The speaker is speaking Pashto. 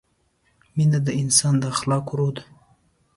مینه د انسان د اخلاقو روح ده.